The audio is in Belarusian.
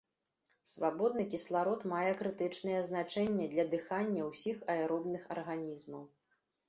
Свабодны кісларод мае крытычнае значэнне для дыхання ўсіх аэробных арганізмаў.